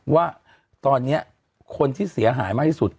ว่าตอนนี้คนที่เสียหายมากที่สุด